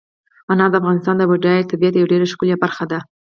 انار د افغانستان د بډایه طبیعت یوه ډېره ښکلې برخه ده.